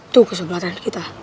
tuh kesempatan kita